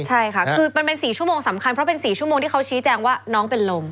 ใช่ค่ะคือมันเป็น๔ชั่วโมงสำคัญเพราะเป็น๔ชั่วโมงที่เขาชี้แจงว่าน้องเป็นลม